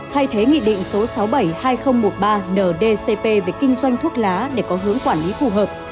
thay thế nghị định số sáu mươi bảy hai nghìn một mươi ba ndcp về kinh doanh thuốc lá để có hướng quản lý phù hợp